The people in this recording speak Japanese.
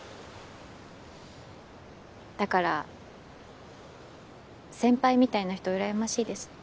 だから先輩みたいな人うらやましいです。